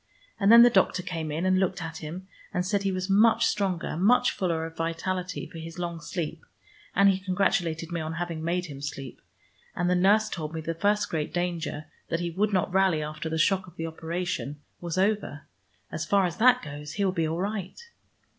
And then the doctor came in, and looked at him, and said he was much stronger, much fuller of vitality for his long sleep, and he congratulated me on having made him sleep. And the nurse told me the first great danger, that he would not rally after the shock of the operation, was over. As far as that goes he will be all right."